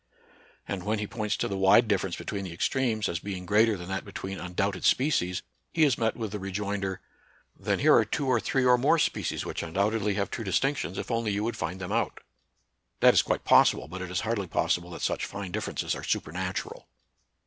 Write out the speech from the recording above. And when he points to the wide difference between the extremes, as being greater than that between undoubted species, he is met with the rejoinder, " Then here are two or three or more species which undoubtedly have true distinctions, if only you would find them out." That is quite possible, but it is hardly possible that such fine differences are supernatural.